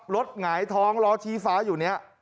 หงายท้องล้อชี้ฟ้าอยู่เนี่ย